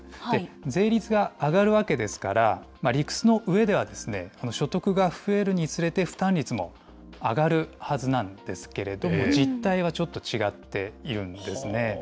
税率が上がるわけですから、理屈のうえでは、所得が増えるにつれて負担率も上がるはずなんですけれども、実態はちょっと違っているんですね。